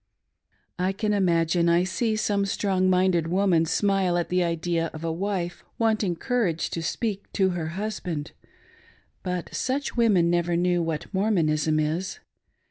I can imagine I see some strong minded woman smile at the idea of a wife wanting courage to speak to her hiisbandi But such women never knew what Mprmonism is.